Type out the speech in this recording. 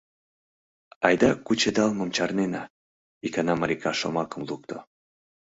— Айда кучедалмым чарнена, — икана Малика шомакым лукто.